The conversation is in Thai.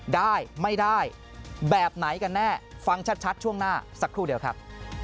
ได้ไม่ได้แบบไหนกันแน่ฟังชัดช่วงหน้าสักครู่เดียวครับ